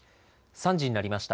３時になりました。